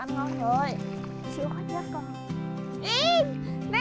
thôi đổ ra